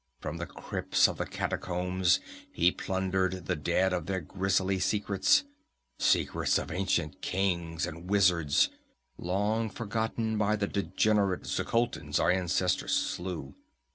From the crypts of the catacombs he plundered the dead of their grisly secrets secrets of ancient kings and wizards, long forgotten by the degenerate Xuchotlans our ancestors slew.